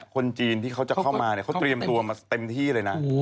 คนจีนที่เขาจะเข้ามาเขาเตรียมตัวมาเต็มที่เลยนะ